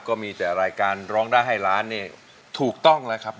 ก็มีแต่รายการร้องได้ให้ล้านเนี่ยถูกต้องแล้วครับ